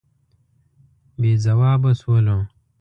بې ځوابه شولو.